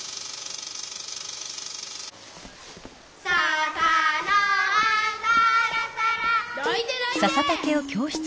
「ささの葉さらさら」どいてどいて！